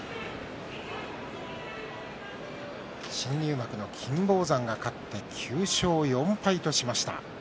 新入幕の金峰山が勝って９勝４敗としました。